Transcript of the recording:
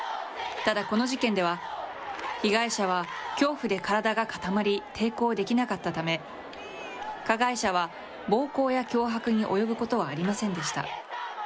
ただ、この事件では、被害者は恐怖で体が固まり、抵抗できなかったため、加害者は、暴行や脅迫に及ぶことはありませんでした。